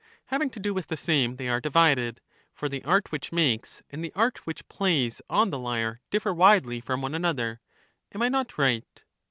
Having to do with the same, they are divided ; for the art which makes and the art which plays on the lyre differ widely from one another. Am I not right?